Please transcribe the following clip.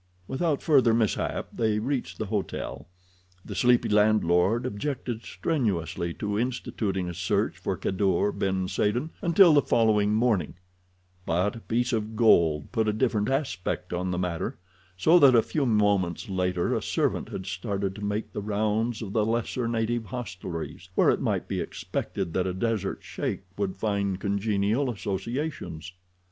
Without further mishap they reached the hotel. The sleepy landlord objected strenuously to instituting a search for Kadour ben Saden until the following morning, but a piece of gold put a different aspect on the matter, so that a few moments later a servant had started to make the rounds of the lesser native hostelries where it might be expected that a desert sheik would find congenial associations.